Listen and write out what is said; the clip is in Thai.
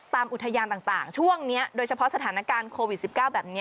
ตามอุทยานต่างช่วงนี้โดยเฉพาะสถานการณ์โควิด๑๙